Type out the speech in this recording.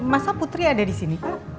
masa putri ada disini pak